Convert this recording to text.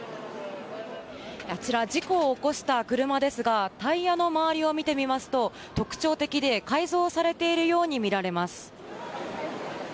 あちら事故を起こした車ですがタイヤの周りを見てみますと特徴的で、改造されているように見られます。